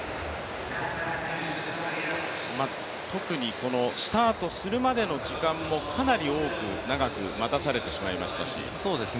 特にスタートするまでの時間もかなり長く待たされてしまいましたし。